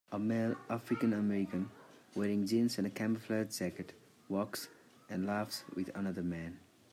A male AfricanAmerican wearing jeans and a camouflage jacket, walks and laughs with another man.